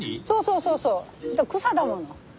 そうそうそうそう草だもの。